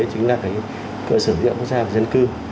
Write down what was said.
chính là cái cơ sở diện quốc gia và dân cư